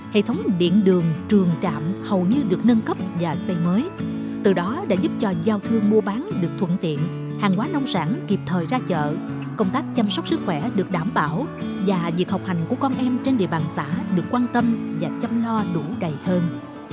hệ thống điện đường trường trạm hầu như được nâng cấp và xây mới từ đó đã giúp cho giao thương mua bán được thuận tiện hàng quá nông sản kịp thời ra chợ công tác chăm sóc sức khỏe được đảm bảo và việc học hành của con em trên địa bàn xã được quan tâm và chăm lo đủ đầy hơn